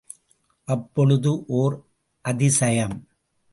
அப்பொழுது ஒர் அதிசயம்!